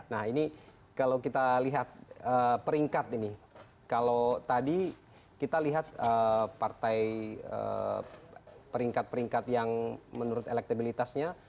nah ini kalau kita lihat peringkat ini kalau tadi kita lihat partai peringkat peringkat yang menurut elektabilitasnya